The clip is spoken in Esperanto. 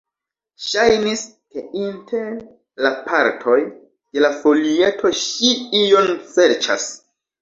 Ŝajnis, ke inter la partoj de la folieto ŝi ion serĉas.